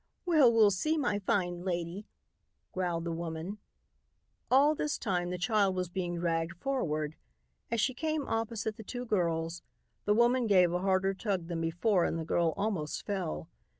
"Well, we'll see, my fine lady," growled the woman. All this time the child was being dragged forward. As she came opposite the two girls, the woman gave a harder tug than before and the girl almost fell.